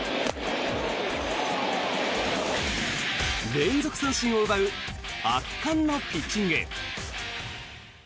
連続三振を奪う圧巻のピッチング。